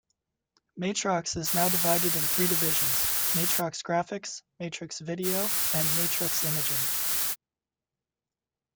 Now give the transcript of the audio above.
Matrox is now divided in three divisions: Matrox Graphics, Matrox Video, and Matrox Imaging.